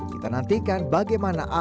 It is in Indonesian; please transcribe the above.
kita nantikan bagaimana akhirnya